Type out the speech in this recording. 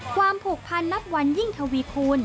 ความผูกพันนับวันยิ่งทวีคูณ